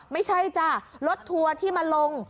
ไม่ใช่จ้ะรถทัวร์ที่มาลง